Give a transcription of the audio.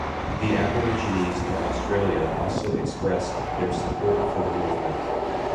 The Aborigines of Australia also expressed their support for the movement.